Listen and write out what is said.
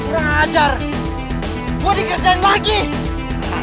kayanya ini bocah ngajakin